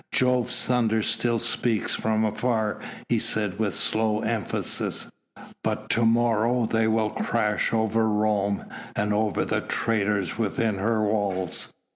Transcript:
"Jove's thunders still speak from afar," he said with slow emphasis, "but to morrow they will crash over Rome and over the traitors within her walls.